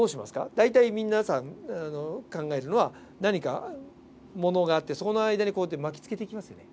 大体皆さん考えるのは何かものがあってその間に巻きつけてきますよね。